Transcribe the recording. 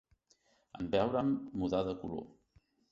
En veure'm, mudà de color.